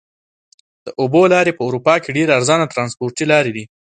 د اوبو لارې په اروپا کې ډېرې ارزانه ترانسپورتي لارې دي.